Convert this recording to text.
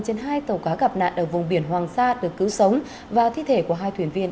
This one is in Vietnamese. trên hai tàu cá gặp nạn ở vùng biển hoàng sa được cứu sống và thi thể của hai thuyền viên